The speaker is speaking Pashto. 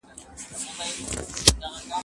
کېدای سي کالي ګنده وي.